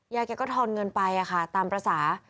ยายแกก็ทอนเงินไปอ่ะค่ะตามภาษา